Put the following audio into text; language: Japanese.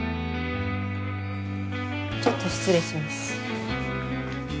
ちょっと失礼します。